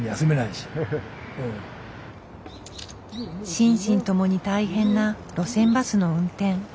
心身ともに大変な路線バスの運転。